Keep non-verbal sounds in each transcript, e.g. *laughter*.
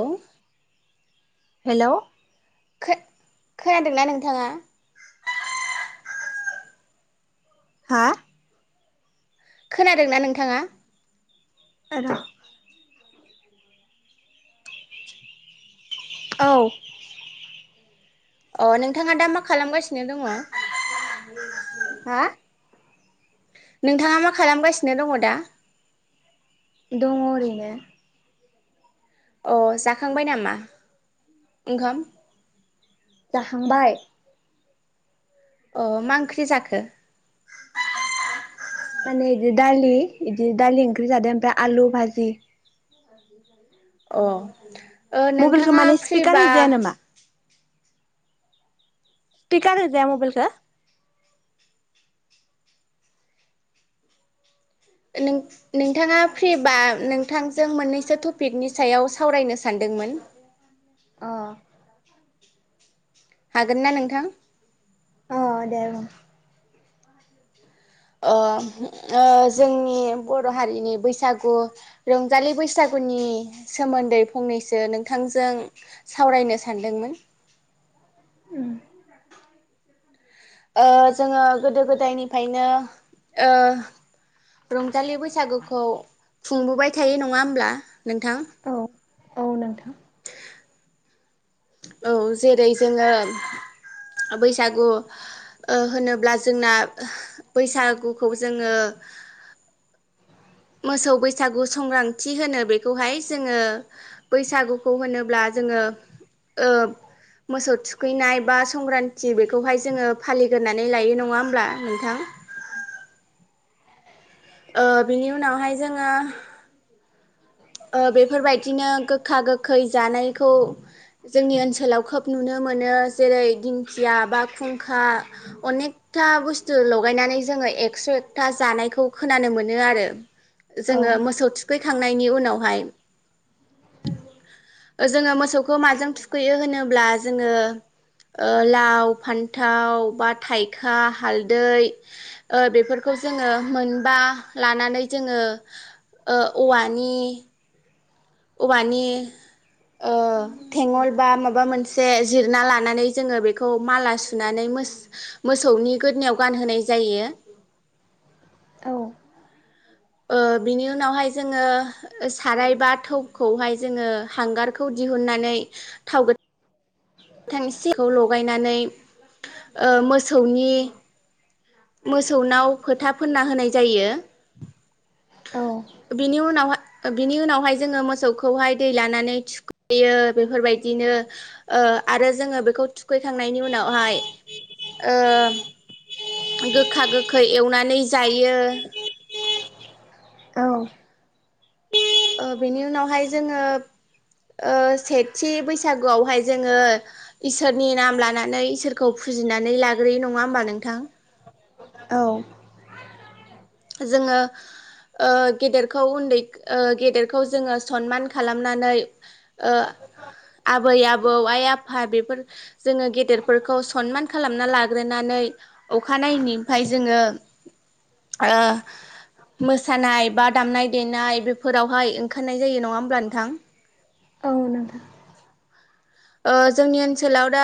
औ हेलौ खो खोनादोंना नोंथाङा? हा खोनादोंना नोंथाङा र' औ अ नोंथाङा दा मा खालामगासिनो दङ हा नोंथाङा मा खालामगासिनो दङ दा दङ ओरैनो अ जाखांबाय नामा ओंखाम जाखांबाय अ मा ओंख्रि जाखो माने इदि दालि इदि दालि ओंख्रि जादो ओमफ्रा आलु भाजि अ मबाइलखौ नोंथाङा माने स्पिकार फ्रिबा होजाया नामा स्पिकार होजाया मबेइलखौ नों नोंथाङा फ्रिबा नोंथांजों मोननैसो टपिकनि सायाव सावरायनो सानदोंमोन अ हागोन ना नोंथां अ दे बुं अ ओ जोंनि बर हारिनि बैसागु रंजालि बैसागुनि सोमोन्दै फंनैसो नोंथांजों सावरायनो सानदोंमोन। *inaudible* ओ जोङो गोदो गोदायनिफायनो ओ रंजालि बैसागुखौ खुंबोबाय थायो नङा होमब्ला नोंथां औ औ नोंथां औ जेरै जोङो बैसागु ओ होनोब्ला जोंना बैसागुखौ जोङो मोसौ बैसागु संग्रान्थि होनो बेखौहाय जोङो बैसागुखौ होनोब्ला जोङो ओ मोसौ थुखैनाय बा संग्रान्थि बेखौहाय जोङो फालिग्रोनानै लायो नङा होमब्ला नोंथां ओ बिनि उनावहाय जोङो ओ बेफोरबायदिनो गोखा गोखै जानायखौ जोंनि ओनसोलाव खोब नुनो मोनो जेरै दिंखिया बा खुंखा अनेकथा बुस्थु लगायनानै जोङो एक्स एकथा जानायखौ खोनानो मोनो आरो औ जोङो मोसौ थुखै थांनायनि उन उनावहाय जोङो मोसौखौ माजों थुखैयो होनोब्ला जोङो ओ लाव फान्थाव बा थाइखा हालदै ओ बेफोरखौ जोङो मोनबा लानानै जोङो ओ औवानि औवानि ओ थेङल बा माबा मोनसे जिरना ला नानै जोङो बेखौ माला सुनानै मोस मो सौनि गोदनायाव गानहोनाय जायो। औ। ओह बिनि उनावहाय जोङो ओ साराय बा थौखौहाय जोङो हांगारखौ दिहुननानै थाव गोथ थां सेखौ लगायनानै ओ मोसौनि मोसौनाव फोथा फोनना होनाय जायो। औ बिनि उनावहा बिनि उनावहाय जोङो मोसौखौहाय दै लानानै थुखैयो बेफोरबायदिनो ओह आरो जोङो बेखौ थुखैखांनायनि उनावहाय ओह गोखा गोखै एवनानै जायो। औ ओ बेनि उनावहाय जोङो ओह सेथि बैसागुआवहाय जोङो इसोरनि नाम लानानै इसोरखौ फुजिनानै लाग्रोयो नङा ओमबा नोंथां। औ जोङो ओह गेदेरखौ उन्दै ओह गेदेरखौ जोङो सनमान खालामनानै ओह आबै आबौ आइ आफा बेफोर जोङो गेदेरफोरखौ सनमान खालामना लाग्रोनानै अखानायैनायनिफाय जोङो। ओह मोसानाय बा दामनाय देनाय बेफोरावहाय ओंखारनाय जायो नङा ओम बा नोंथां। औ नोंथां। ओ जोंनि ओनसोलाव दा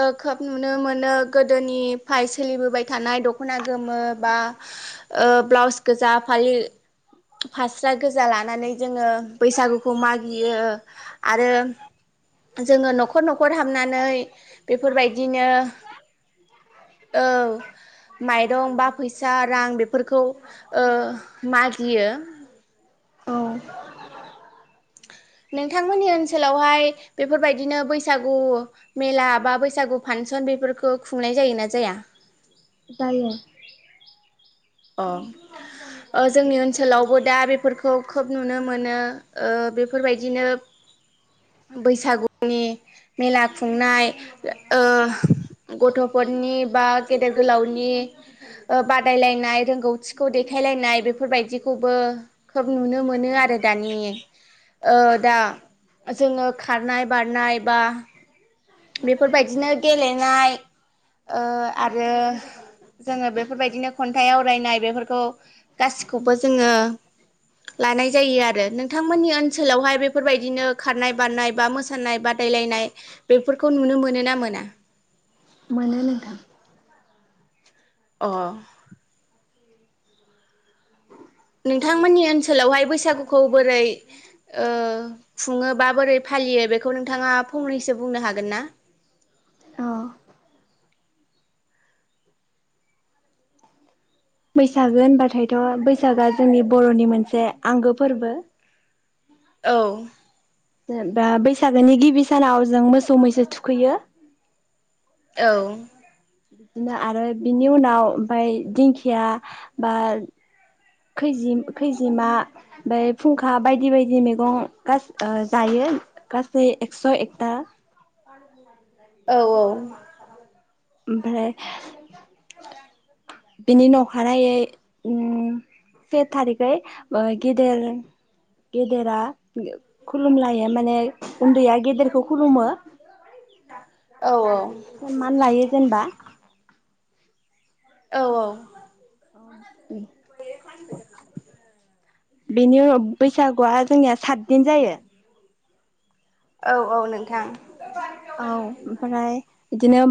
ओ खोब नुनो मोनो गोदोनिफाय सोलिबोबाय थानाय दख'ना गोमो बा ओह ब्लाउस गोजा फालि फास्रा गोजा लानानै जोङो बैसागुखौ मागियो आरो जोङो न'खर न'खर हाबनानै, बेफोरबायदिनो ओउ माइरं बा फैसा रां बेफोरखौ ओह मागियो। औ। नोंथांमोननि ओनसोलावहाय बेफोरबायदिनो बैसागु मेला बा बैसागु फानसन बेफोरखौ खुंनाय जायोना जाया। दायो। अ ओ जोंनि ओनसोलावबो दा बेफोरखौ खोब नुनो मोनो ओह बेफोरबायदिनो बैसागुनि मेला खुंनाय ओह गथ'फोरनि बा गेदेर गोलावनि बादायलायनाय। रोंगौथिखौ देखायलायनाय बेफोरबायदिखौबो खोब नुनो मोनो आरो दानि ओह दा जोङो खारनाय बारनाय बा। बेफोरबायदिनो गेलेनाय, ओह आरो, जोङो बेफोरबायदिनो खन्थाइ आवरायनाय बेफोरखौ, गासिखौबो जोङो लानाय जायो आरो नोंथांमोननि ओनसोलावहाय बेफोरबायदिनो खारनाय बारनाय बा मोसानाय बादायलायनाय। बेफोरखौ नुनो मोनो ना मोना? मानो नोंथां। अह। नोंथांमोननि ओनसोलावहाय बैसागुखौ बोरै ओह खुङो बा बोरै फालियो बेखौ नोंथाङा फंनैसो बुंनो हागोन ना? अ बैसागो होनबाथायथ' बैसागआ जोंनि बर'नि मोनसे आंगो फोरबो। औ। दा बैसागोनि गिबि सानाव जों मोसौ मैसो थुखैयो। औ। बिदिनो आरो बिनि उनाव ओमफाय दिंखिया बा खैजि खैजिमा बाय फुंखा बायदि बायदि मैगं गासै ओह जायो गासै एक्स' एकता। *unintelligible* औ औ *unintelligible* ओमफाय बिनि नखानायै ओम से थारिखै ओ गेदेर गेदेरा खुलुमलायो। माने उन्दैया गेदेरखौ खु खुलुमो। औ औ। *inaudible* सनमान लायो जेनेबा औ औ। औ *unintelligible* *unintelligible* बेनि उवाव बैसागुआ जोंनिया सात दिन जायो। औ औ नोंथां। औ ओमफ्राय। बिदिनो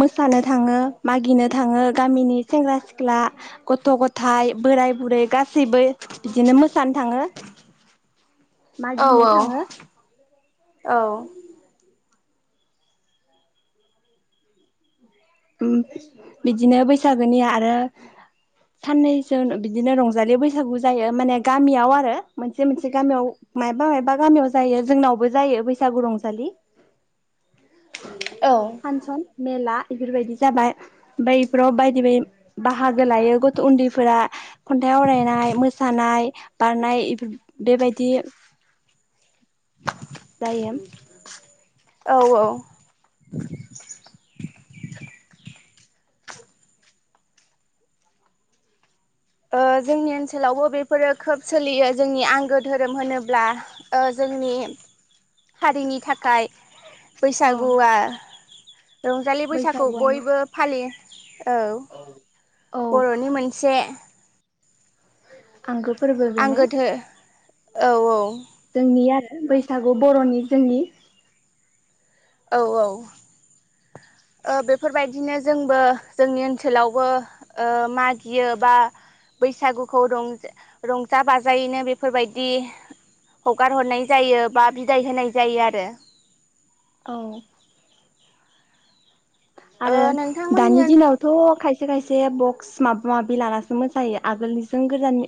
मोसानो थाङो मागिनो थाङो गामिनि सेंग्रा सिख्ला ग' गथ' गथायाइ बोराय बुरै गासैबो बिदिनो मोसानो थाङो औ मागिनो थाङो। औ। बिदिनो बैसागोनि आरो साननैसो बिदिनो रंजालि बैसागु जायो माने गामियाव आरो, मोनसे मोनसे गामियाव मायबा मायबा गामियाव जायो जोंनावबो जायो बैसागु रंजालि। औ फानसन मेला बेफोरबायदि जाबाय, ओमफ्राय बेफोराव बायदि बायदि बाहागो लायो गथ' उन्दैफोरा खन्थाइ आवरायनाय मोसानाय बारनायफोर बेबायदि। दाएम औ औ। जोंनि ओनसोलावबो बेफोरो खोब सोलियो जोंनि आंगो धोरोम होनोब्ला जोंनि हारिनि थाखाय। औ बैसागुआ। रंजालि बैसागु बैसागुआनो बयबो फालि औ औ बर'नि मोनसे आंगो फोरबो बेनो आंगो धो औ औ जोंनिया बैसागु बर'नि जोंनि औ औ बेफोरबायदिनो जोंबो जोंनि ओनसोलावबो मागियो बा बैसागुखौजा रंजा बाजायैनो बेफोरबायदि हगार हरनाय जायो बा बिदाय होनाय जायो आरो औ ओ आरो नोंथांमोननि दानि ओन दिनावथ' खायसे खायसे सखायसे बक्स माबा माबि लानासो मोसायो आगोलनिजों गोजान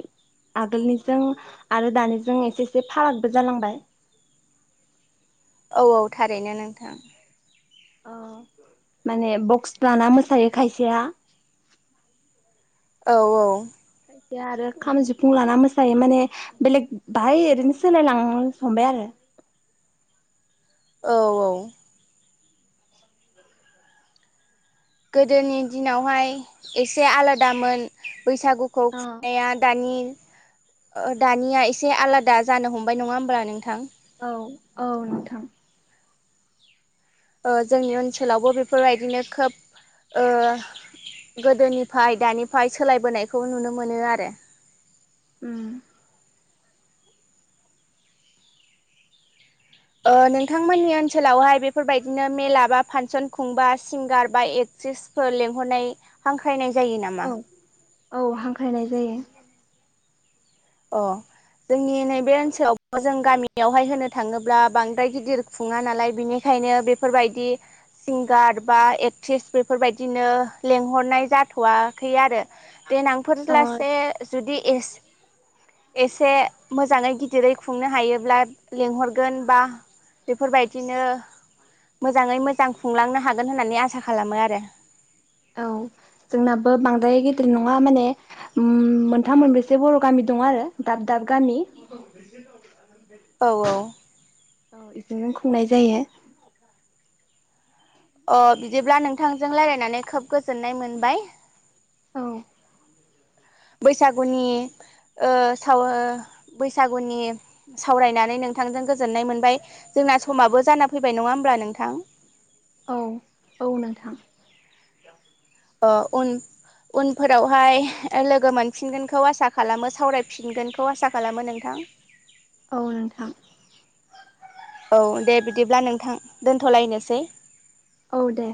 आगोलनिजों आरो दानिजों एसे एसे फारागबो जालांबाय औ औ थारैनो नोंथां औ माने बक्स बाना मोसायो खायसेया औ औ से आरो खाम सिफुं लाना मोसायो माने बेलेग बाहाय ओरैनो सोलायलांनो हमबाय आरो औ औ हम गोदोनि दिनावहाय एसे आलादामोन बैसागुखौ खुंनाया दानि अ दानिया एसे आलादा जानो हमबाय नङा होमब्ला नोंथां औ औ नोंथां जोंनि ओनसोलावबो बेफोरबायदिनो खोब गोदोनिफ्राय दानिफ्राय सोलायबोनायखौ नुनो मोनो आरो उ नोंथांमोननि ओनसोलावहाय बेफोरबायदिनो मेला बा फांसन खुंबा सिंगार बा एक्ट्रिसफोर लेंंहरनाय हांख्रायनाय जाय नामा औ औ हांख्रायनाय जायो अ जोंनि नैबे ओनसोलाव जों गामियावहाय होनो थाङोब्ला बांद्राय गिदिर खुङा नालाय बिनिखायनो बेफोरबायदि सिंगार बा एक्ट्रिस बेफोरबायदिनो लेंंहरनाय जाथ'वाखै आरो अ देनांफोरलासे जुदि एस एसे मोजाङै गिदिरै खुंनो हायोब्ला लेंंहरगोन बा बेफोरबायदिनो मोजाङै मोजां खुंलांनो हागोन होननानै आसा खालामो आरो। औ जोंनाबो बांद्राय गेदिर नङा माने ओम मोनथाम मोनब्रैसो बर' गामि दं आरो दाब दाब गामि। औ औ। बेजोंनो खुंनाय जायो। अ बिदिब्ला नोंथांजों रायलायनानै खोब गोजोननाय मोनबाय। औ। बैसागुनि ओं साव बैसागुनि सावरायनानै नोंथांजों गोजोननाय मोनबाय जोंना समाबो जाना फैबाय नङा होमब्ला नोंथां? औ औ नोंथां। अ उन-उनफोरावहाय लोगो मोनफिनगोनखौ आसा खालामो सावरायफिनगोनखौ आसा खालामो नोंथां। औ नोंथां। औ दे बिदिब्ला नोंथां दोन्थ'लायनोसै। औ दे।